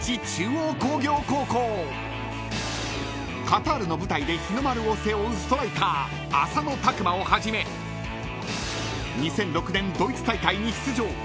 ［カタールの舞台で日の丸を背負うストライカー浅野拓磨をはじめ２００６年ドイツ大会に出場